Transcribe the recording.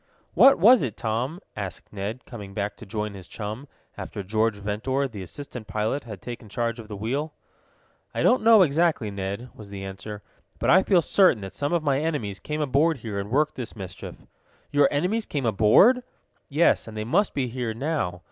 "What was it, Tom?" asked Ned, coming back to join his chum, after George Ventor, the assistant pilot, had taken charge of the wheel. "I don't exactly know, Ned," was the answer. "But I feel certain that some of my enemies came aboard here and worked this mischief." "Your enemies came aboard?" "Yes, and they must be here now.